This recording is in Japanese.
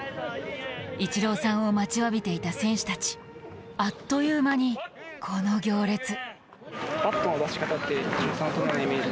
イチローさんを待ちわびていた選手たちあっという間にこの行列。